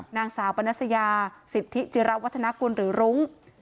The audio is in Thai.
นางสาวพรานัสยาสิทธิจิรุรึรุ้ง